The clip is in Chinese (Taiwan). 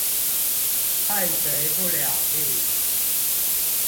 漢賊不兩立